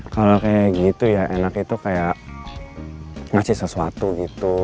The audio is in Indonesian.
kalau kayak gitu ya enak itu kayak ngasih sesuatu gitu